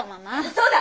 そうだ！